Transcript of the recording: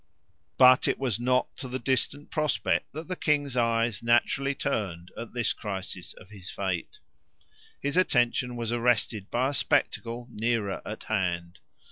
But it was not to the distant prospect that the king's eyes naturally turned at this crisis of his fate. His attention was arrested by a spectacle nearer at hand.